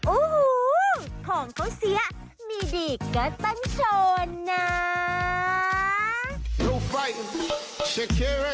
อู้หู้ของเขาเสียมีดีก็ตันโชว์นะ